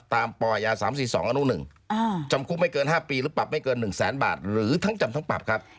ตามปรอญญา๓๔๒อนุ๑จำคุกไม่เกิน๕ปีแล้วปรับไม่เกิน๑๐๐๐๐๐บาทหรือทั้งจำทั้งปรับครับ